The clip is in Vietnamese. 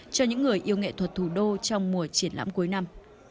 cho những người yêu nghệ thuật thủ đô trong mùa triển lãm cuối năm